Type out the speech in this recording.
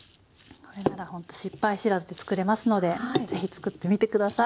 これならほんと失敗知らずでつくれますので是非つくってみて下さい！